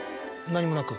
何もなく？